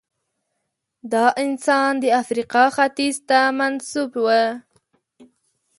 دا انسان د افریقا ختیځ ته منسوب و.